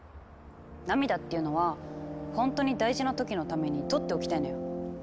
涙っていうのは本当に大事な時のためにとっておきたいのよきっと。